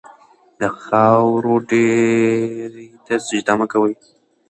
د خاورو ډېري ته سجده مه کوئ.